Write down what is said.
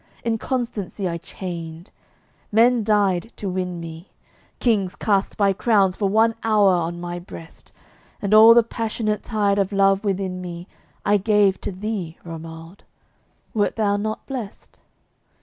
Inconstancy I chained: men died to win me; Kings cast by crowns for one hour on my breast: And all the passionate tide of love within me I gave to thee, Romauld. Wert thou not blest?